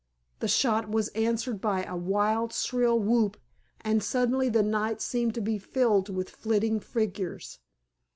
The shot was answered by a wild, shrill whoop, and suddenly the night seemed to be filled with flitting figures.